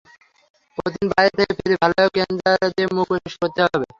প্রতিদিন বাইরে থেকে ফিরে ভালোভাবে ক্লেনজার দিয়ে মুখ পরিষ্কার করতে হবে।